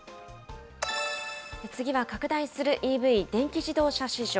次は拡大するＥＶ・電気自動車市場。